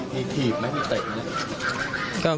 มีถีบมั้ยมีเตะมั้ย